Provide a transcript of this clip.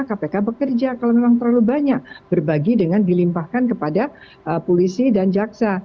kpk bekerja kalau memang terlalu banyak berbagi dengan dilimpahkan kepada polisi dan jaksa